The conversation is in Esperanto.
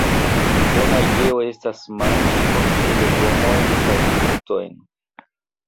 Bona ideo estas manĝi ofte legomojn kaj fruktojn.